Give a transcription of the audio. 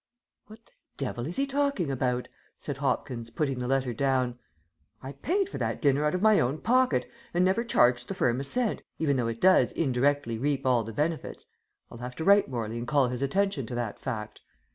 "What the devil is he talking about?" said Hopkins, putting the letter down. "I paid for that dinner out of my own pocket, and never charged the firm a cent, even though it does indirectly reap all the benefits. I'll have to write Morley and call his attention to that fact.